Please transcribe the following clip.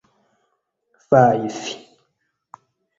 fajfi